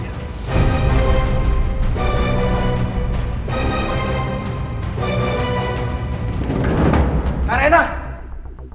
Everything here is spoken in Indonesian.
kamu ingin suami kamu mengakui kalau anak itu adalah anak dia